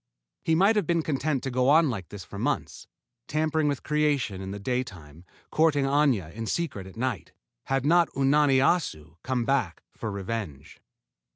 He might have been content to go on like this for months, tampering with creation in the day time, courting Aña in secret at night, had not Unani Assu come back for revenge.